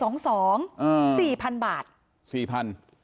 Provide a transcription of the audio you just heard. นางศรีพรายดาเสียยุ๕๑ปี